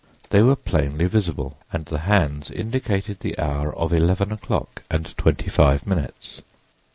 They were plainly visible, and the hands indicated the hour of eleven o'clock and twenty five minutes.